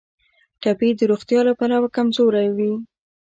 ټپي د روغتیا له پلوه کمزوری وي.